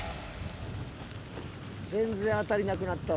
全然当たりなくなったわ。